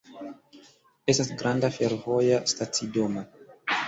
Estas granda fervoja stacidomo.